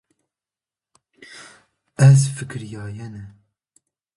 Ez fikirîyayêne